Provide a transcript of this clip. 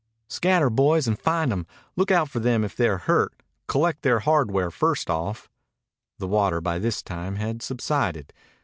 "Scatter, boys, and find 'em. Look out for them if they're hurt. Collect their hardware first off." The water by this time had subsided.